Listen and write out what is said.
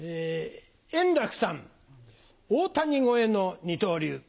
円楽さん、大谷超えの二刀流。